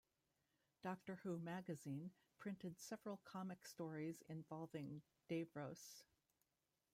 "Doctor Who Magazine" printed several comics stories involving Davros.